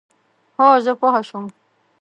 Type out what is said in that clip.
هو، زه پوه شوم،